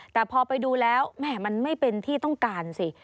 แต่พอไปดูแล้วแหมมันไม่เป็นที่ต้องการสิ